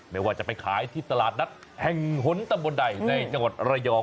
ไม่ว่าจะไปขายที่ตลาดนัดแห่งหนตำบลใดในจังหวัดระยอง